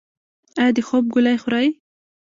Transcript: ایا د خوب ګولۍ خورئ؟